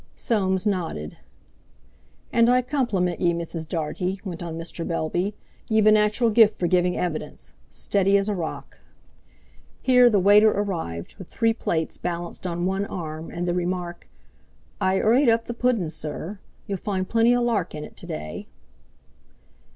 Soames nodded. "And I compliment ye, Mrs. Dartie," went on Mr. Bellby; "ye've a natural gift for giving evidence. Steady as a rock." Here the waiter arrived with three plates balanced on one arm, and the remark: "I 'urried up the pudden, sir. You'll find plenty o' lark in it to day."